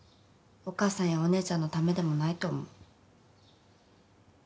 お母さんやお姉ちゃんのためでもないと思う。